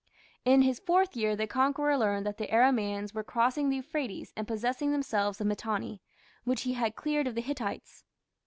In his fourth year the conqueror learned that the Aramaeans were crossing the Euphrates and possessing themselves of Mitanni, which he had cleared of the Hittites.